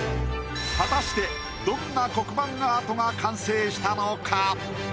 果たしてどんな黒板アートが完成したのか？